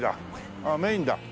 あっメインだ。